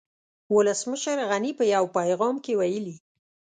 ولسمشر غني په يو پيغام کې ويلي